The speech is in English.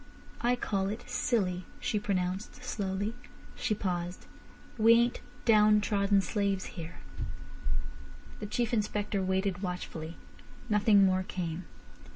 "I call it silly," she pronounced slowly. She paused. "We ain't downtrodden slaves here." The Chief Inspector waited watchfully. Nothing more came.